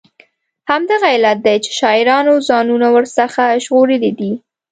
همدغه علت دی چې شاعرانو ځانونه ور څخه ژغورلي دي.